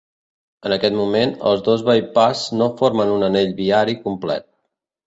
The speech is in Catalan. En aquest moment, els dos bypass no formen un anell viari complet.